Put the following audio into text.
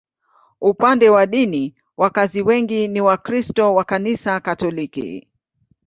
Upande wa dini, wakazi wengi ni Wakristo wa Kanisa Katoliki.